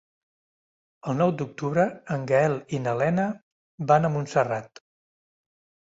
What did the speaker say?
El nou d'octubre en Gaël i na Lena van a Montserrat.